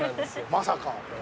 まさか。